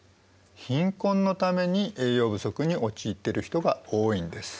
貧困のために栄養不足に陥っている人が多いんです。